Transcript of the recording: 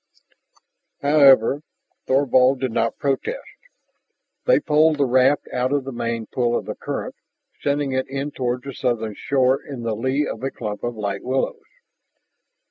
However, Thorvald did not protest. They poled the raft out of the main pull of the current, sending it in toward the southern shore in the lee of a clump of light willows.